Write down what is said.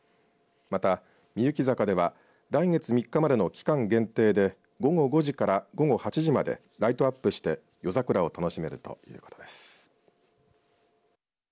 また、行幸坂では来月３日までの期間限定で午後５時から午後８時までライトアップして夜桜を楽しめるということです。